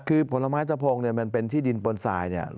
คือผลไม้ตะโพงมันเป็นที่ดินปนทราย